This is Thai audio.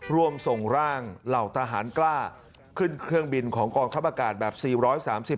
ร่วมส่งร่างเหล่าทหารกล้าขึ้นเครื่องบินของกองทัพอากาศแบบสี่ร้อยสามสิบ